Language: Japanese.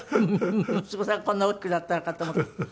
息子さんがこんなに大きくなったのかと思って。